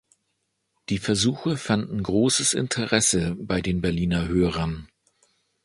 Die Versuche fanden großes Interesse bei den Berliner Hörern.